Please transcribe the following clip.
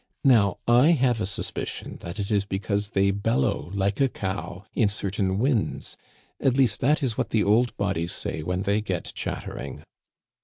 Now, I have a suspicion that it is be cause they bellow like a cow in certain winds. At least that is what the old bodies say when they get chatter mg.